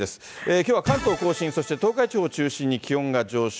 きょうは関東甲信、そして東海地方を中心に気温が上昇。